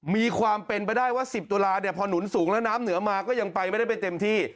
มีความเป็นไปได้ว่า๑๐ตุลาเนี่ยพอหนุนสูงแล้วน้ำเหนือมาก็ยังไปไม่ได้ไปเต็มที่